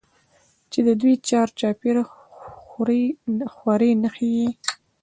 چې د دوى چار چاپېر خورې نښي ئې